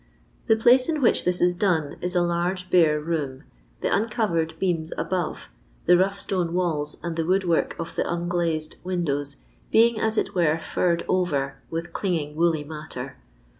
The place in which thii im done is a large bare room — ^the uncovered beams above, the rough atone walli, and the woodwork of the nngbixed windows being as it were furred over with cling ing woollj matter.